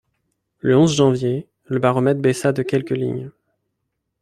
Le onze janvier, le baromètre baissa de quelques lignes.